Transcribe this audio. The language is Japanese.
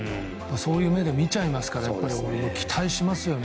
そういう目で見ちゃいますからやっぱり期待しますよね。